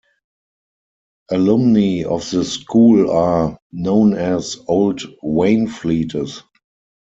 Alumni of the school are known as "Old Waynfletes".